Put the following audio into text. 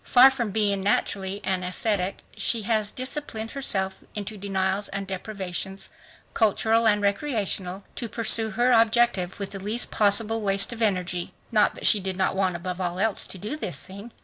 Far from being naturally an ascetic, she has disciplined herself into denials and deprivations, cultural and recreational, to pursue her objective with the least possible waste of energy. Not that she did not want above all else to do this thing.